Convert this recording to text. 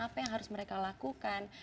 apa yang harus mereka lakukan